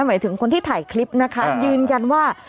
หมายถึงคนที่ถ่ายคลิปนะคะยืนยันว่า